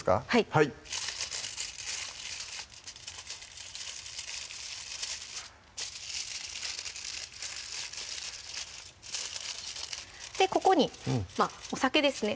はいここにお酒ですね